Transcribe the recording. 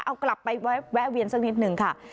เอากลับไปแวะเวียนสักนิดนึงค่ะ